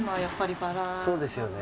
そうですよね。